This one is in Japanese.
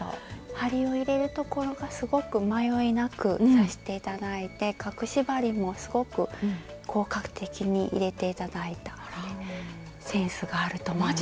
針を入れるところがすごく迷いなく刺して頂いて隠し針もすごく効果的に入れて頂いたのでセンスがあると思います。